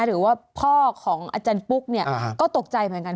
หรือว่าพ่อของอาจารย์ปุ๊กเนี่ยก็ตกใจเหมือนกัน